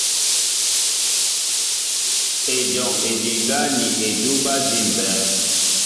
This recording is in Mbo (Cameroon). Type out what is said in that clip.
Ejɔŋ ediŋgá ni edúbɛ́ éjḭmbɛ́ɛ́.